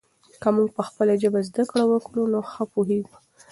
که موږ په خپله ژبه زده کړه وکړو نو ښه پوهېږو.